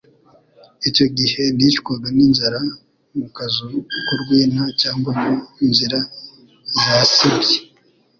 icyo gihe nicwaga n'inzara mu kazu k'urwina cyangwa mu nzira zasibye.